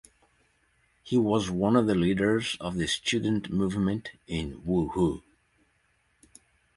He was one of the leaders of the student movement in Wuhu.